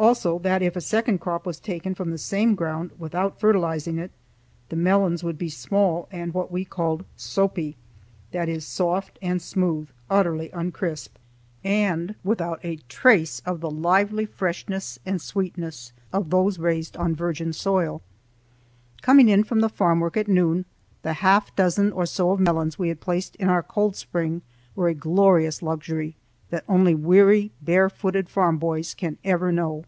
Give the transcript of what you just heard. Also that if a second crop was taken from the same ground without fertilizing it, the melons would be small and what we called soapy; that is, soft and smooth, utterly uncrisp, and without a trace of the lively freshness and sweetness of those raised on virgin soil. Coming in from the farm work at noon, the half dozen or so of melons we had placed in our cold spring were a glorious luxury that only weary barefooted farm boys can ever know.